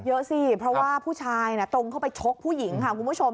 เยอะสิเพราะว่าผู้ชายตรงเข้าไปชกผู้หญิงค่ะคุณผู้ชม